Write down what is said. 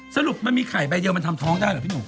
สรุปมันมีไข่ใบเดียวมันทำท้องได้เหรอพี่หนุ่ม